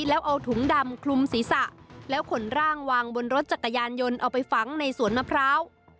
แล้วเอาถุงดำคลุมศีรษะแล้วขนร่างวางบนรถจักรยานยนต์เอาไปฝังในสวนมะพร้าว